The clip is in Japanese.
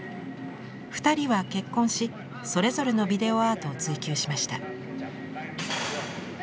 ２人は結婚しそれぞれのビデオアートを追求しました。